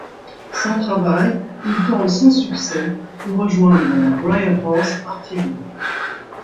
Sans travail, il tente sans succès de rejoindre la Royal Horse Artillery.